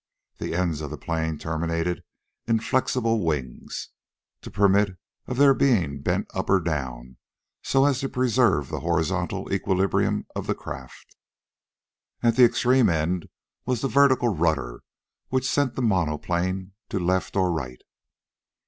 The ends of the plane terminated in flexible wings, to permit of their being bent up or down, so as to preserve the horizontal equilibrium of the craft. At the extreme end was the vertical rudder, which sent the monoplane to left or right.